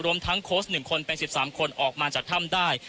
รวมทั้งโค้ช๑คนเป็น๑๓คนออกมาจากถ้ำได้